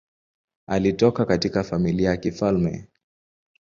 Alitoka katika familia ya kifalme.